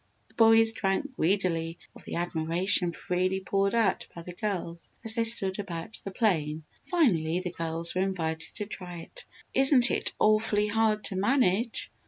The boys drank greedily of the admiration freely poured out by the girls as they stood about the plane. Finally, the girls were invited to try it. "Isn't it awfully hard to manage?"